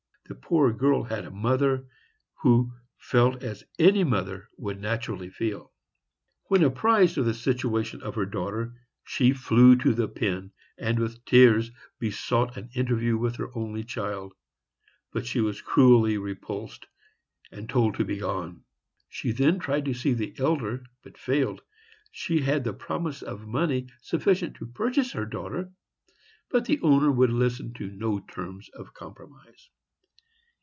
The poor girl had a mother, who felt as any mother would naturally feel. When apprized of the situation of her daughter, she flew to the pen, and, with tears, besought an interview with her only child; but she was cruelly repulsed, and told to be gone! She then tried to see the elder, but failed. She had the promise of money sufficient to purchase her daughter, but the owner would listen to no terms of compromise.